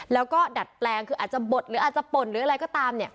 แล้วก็ดัดแปลงคืออาจจะบดหรืออาจจะป่นหรืออะไรก็ตามเนี่ย